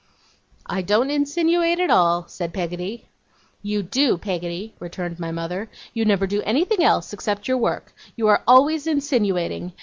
'I don't insinuate at all,' said Peggotty. 'You do, Peggotty,' returned my mother. 'You never do anything else, except your work. You are always insinuating.